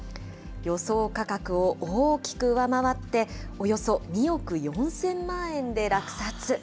予想価格を大きく上回って、およそ２億４０００万円で落札。